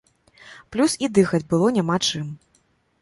Плюс і дыхаць было няма чым.